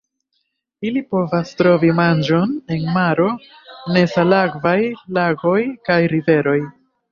Ili povas trovi manĝon en maro, nesalakvaj lagoj kaj riveroj.